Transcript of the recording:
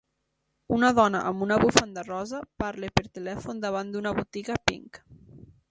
Una dona amb una bufanda rosa parla per telèfon davant d'una botiga Pink.